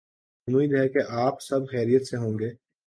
امید ہے کہ آپ سب خیریت سے ہوں گے۔